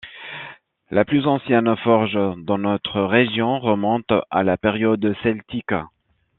La plus ancienne forge dans notre région remonte à la période celtique.